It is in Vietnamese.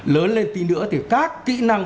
lớn lên tí nữa thì các kỹ năng